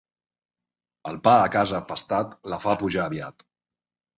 El pa a casa pastat la fa pujar aviat.